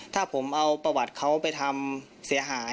ถ้าผมเอาประวัติเขาไปทำเสียหาย